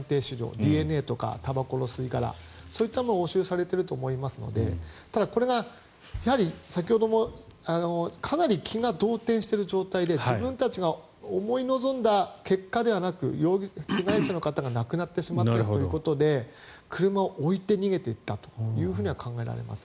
ＤＮＡとかたばこの吸い殻そういったものが押収されていると思いますのでただ、これが先ほどもかなり気が動転している状態で自分たちが思い望んだ結果ではなく被害者の方が亡くなってしまっているということで車を置いて逃げていったと考えられますね。